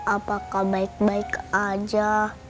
apakah baik baik aja